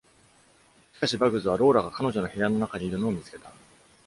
しかし、バグズはローラが彼女の部屋の中にいるのを見つけた。